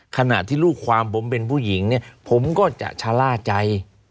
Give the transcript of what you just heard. ขณะที่ลูกความผมเป็นผู้หญิงเนี่ยผมก็จะชะล่าใจ